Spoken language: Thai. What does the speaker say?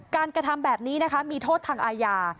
กระทำแบบนี้นะคะมีโทษทางอาญา